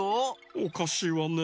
おかしいわね